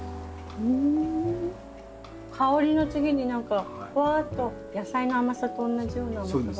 香りの次になんかふわっと野菜の甘さと同じような甘みが。